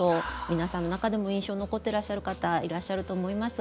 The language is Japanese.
皆さんの中でも印象に残っていらっしゃる方いらっしゃると思います。